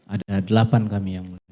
ada delapan kami ya mulia